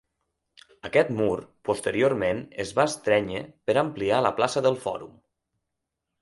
Aquest mur posteriorment es va estrènyer per ampliar la plaça del fòrum.